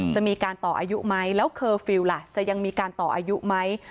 จะมีการต่ออายุไหมแล้วเคอร์ฟิลล์ล่ะจะยังมีการต่ออายุไหม